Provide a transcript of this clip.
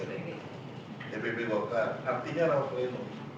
dpp bokak artinya nama plenum